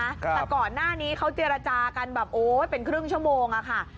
แต่ก่อนหน้านี้เขาเจรจากันแบบโอ้ยเป็นครึ่งชั่วโมงอะค่ะ